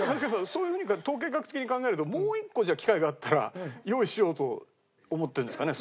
そういうふうに統計学的に考えるともう一個じゃあ機会があったら用意しようと思ってるんですかね